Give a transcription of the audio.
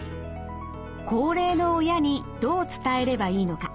高齢の親にどう伝えればいいのか？